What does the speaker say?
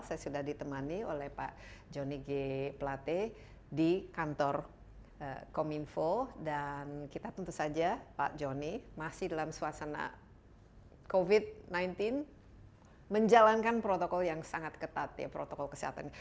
saya sudah ditemani oleh pak jonny g plate di kantor kominfo dan kita tentu saja pak joni masih dalam suasana covid sembilan belas menjalankan protokol yang sangat ketat protokol kesehatan